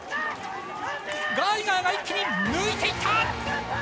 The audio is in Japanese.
ガイガーが一気に抜いていった！